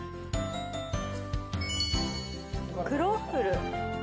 「クロッフル」